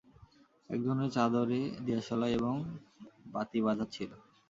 একজনের চাদরে দিয়াশলাই এবং বাতি বাঁধা ছিল।